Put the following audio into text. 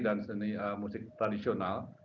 dan seni musik tradisional